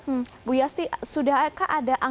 ibu yasti sudahkah ada angkuran